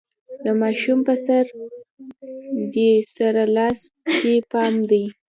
د ماشوم په سر، دې سره لاس ته دې پام دی؟